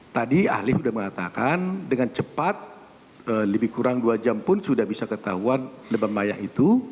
tadi ahli sudah mengatakan dengan cepat lebih kurang dua jam pun sudah bisa ketahuan lebam maya itu